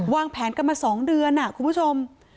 วางแผนกันมา๒เดือนคุณผู้ชม